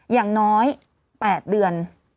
อย่างน้อย๘เดือน